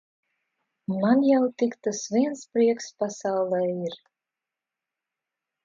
Man jau tik tas viens prieks pasaulē ir.